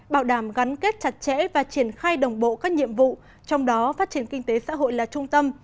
bảo đảm gắn kết chặt chẽ và triển khai đồng bộ các nhiệm vụ trong đó phát triển kinh tế xã hội là trung tâm